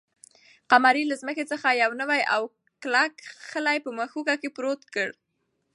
قمرۍ له ځمکې څخه یو نوی او کلک خلی په مښوکه کې پورته کړ.